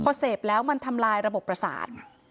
พอเสพแล้วมันทำลายระบบประสาท